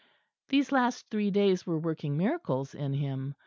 These last three days were working miracles in him.